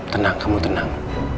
tenang kamu tenang